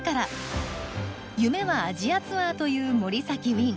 夢はアジアツアーという森崎ウィン。